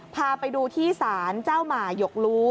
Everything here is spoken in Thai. พาไปดูที่ศาลเจ้าหมาหยกรู้